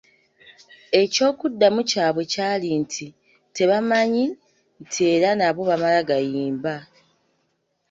Eky’okuddamu kyabwe kyali nti tebamanyi nti era bo baamala gayimba.